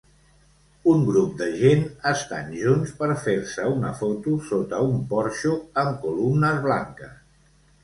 Un grup de gent estan junts per fer-se una foto sota un porxo amb columnes blanques.